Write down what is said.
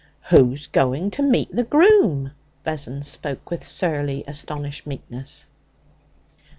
'Who's to meet the groom?' Vessons spoke with surly, astonished meekness.